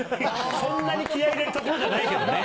そんなに気合い入れるところじゃないけどね。